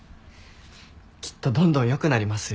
きっとどんどん良くなりますよ。